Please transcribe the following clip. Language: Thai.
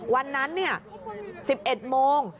วันนั้นเนี่ย๑๑โมง